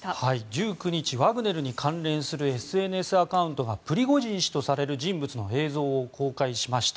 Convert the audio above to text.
１９日ワグネルに関連するＳＮＳアカウントがプリゴジン氏とされる人物の映像を公開しました。